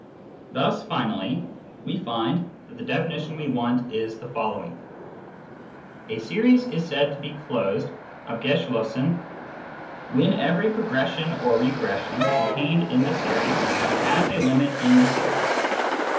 Thus, finally, we find that the definition we want is the following :— A series is said to be " closed " {abgeschlosseri) when every pro gression or regression contained in the series has a limit in the series.